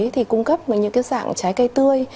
thì cung cấp những cái dạng trái cây tươi